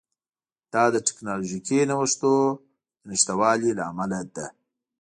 دا د ټکنالوژیکي نوښتونو د نشتوالي له امله ده